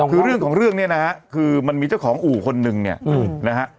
คือเรื่องของเรื่องเนี่ยนะฮะคือมันมีเจ้าของอู่คนนึงเนี่ยนะฮะ